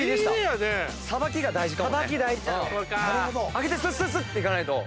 上げてスッていかないと。